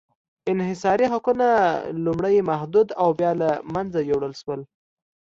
انحصاري حقونه لومړی محدود او بیا له منځه یووړل شول.